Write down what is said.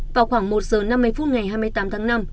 vào khoảng một giờ năm mươi phút ngày hai mươi tám tháng năm